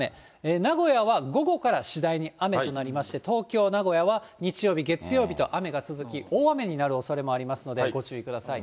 名古屋は午後から次第に雨となりまして、東京、名古屋は日曜日、月曜日と雨が続き、大雨になるおそれもありますので、ご注意ください。